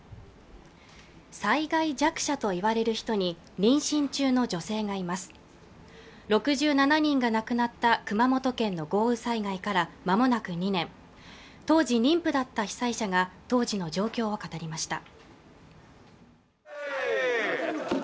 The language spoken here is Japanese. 災害弱者といわれる人に妊娠中の女性がいます６７人が亡くなった熊本県の豪雨災害からまもなく２年当時妊婦だった被災者が当時の状況を語りました